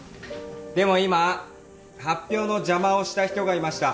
でも今発表の邪魔をした人がいました。